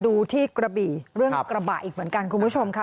ดูที่กระบี่เรื่องกระบะอีกเหมือนกันคุณผู้ชมค่ะ